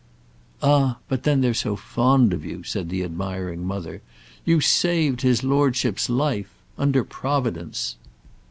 "Ah! but then they're so fond of you," said the admiring mother. "You saved his lordship's life, under Providence."